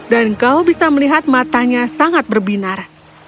dan kau bisa melihat matanya sangat berbinar